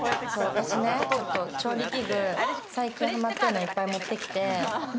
調理器具、最近はまってるのいっぱい持ってきて。